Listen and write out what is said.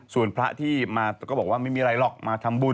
ส่วนพระที่มาก็บอกว่าไม่มีอะไรหรอกมาทำบุญ